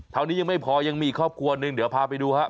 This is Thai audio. นี้ยังไม่พอยังมีอีกครอบครัวหนึ่งเดี๋ยวพาไปดูครับ